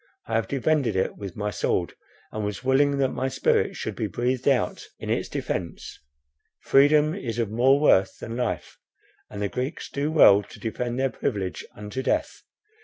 I have defended it with my sword, and was willing that my spirit should be breathed out in its defence; freedom is of more worth than life, and the Greeks do well to defend their privilege unto death.